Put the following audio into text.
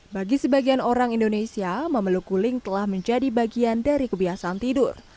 bagi sebagian orang indonesia memeluk guling telah menjadi bagian dari kebiasaan tidur